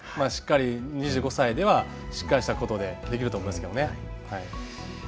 ２５歳ではしっかりしたことでできると思いますけどね。